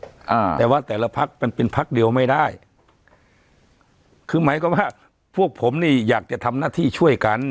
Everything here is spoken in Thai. อ่าแต่ว่าแต่ละพักมันเป็นพักเดียวไม่ได้คือหมายความว่าพวกผมนี่อยากจะทำหน้าที่ช่วยกัน